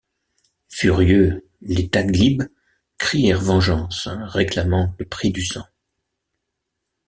Furieux, les Taghlib crièrent vengeance, réclamant le prix du sang.